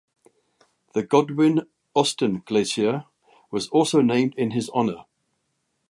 The Godwin Austen Glacier was also named in his honour.